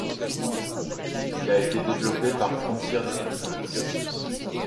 Il a été développé par Frontier Developments.